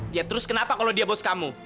dia terus kenapa kalau dia bos kamu